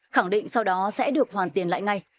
khẳng định sau đó sẽ được hoàn tiền lại ngay